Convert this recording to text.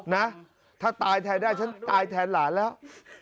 นะถ้าตายแทนได้ฉันตายแทนหลานแล้ว